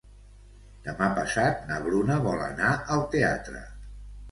Demà passat na Bruna vol anar al teatre.